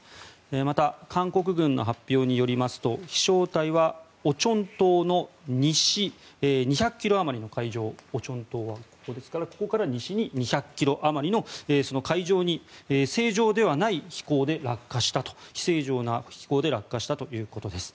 また韓国軍の発表によりますと飛翔体はオチョン島の西２００ｋｍあまりの海上オチョン島はここですからここから西に２００ｋｍあまりの海上に正常ではない飛行で落下したと非正常な飛行で落下したということです。